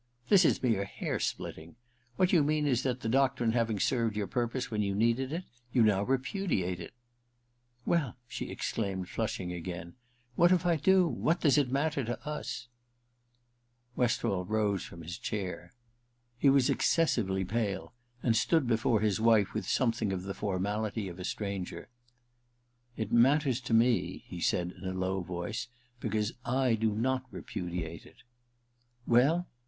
' This is mere hair splitting. What you mean is that, the doctrine having served your purpose when you needed it, you now repudiate it.' ' Well,' she exclaimed, flushing again, * what if I do } What does it matter to us ?' Westall rose from his chair. He was ex cessively pale, and stood before his wife with something of the formality of a stranger. II THE RECKONING 217 * It matters to me/ he said in a low voice, ' because I do not repudiate it.' *Well